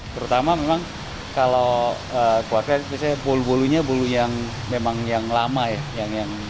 terutama memang kalau keluarga biasanya bolu bolunya bolu yang memang yang lama ya